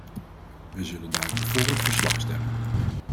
We zullen daarom vóór het verslag stemmen.